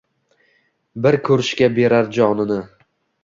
Bir kurishga berar jonini